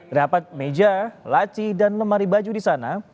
terdapat meja laci dan lemari baju di sana